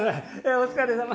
お疲れさま。